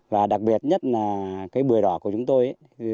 và đặc biệt nhất là cái bưởi đỏ của chúng tôi